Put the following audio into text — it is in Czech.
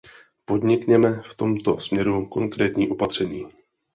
Podnikněme v tomto směru konkrétní opatření.